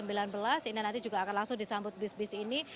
ini nanti juga akan langsung disambut bus bus ini